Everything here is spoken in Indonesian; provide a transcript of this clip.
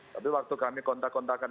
tapi waktu kami kontak kontakan